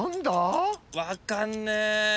分かんねえ。